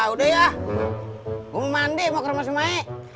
udah ya gue mandi mau ke rumah sumaik